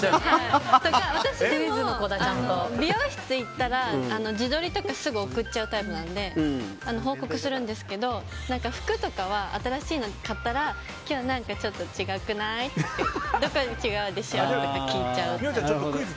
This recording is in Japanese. が私、美容室とか行ったら自撮りとかすぐ送っちゃうタイプなんで報告するんですけど服とかは新しいの買ったら今日、ちょっと違くない？ってどこが違うでしょう？とか聞いちゃいます。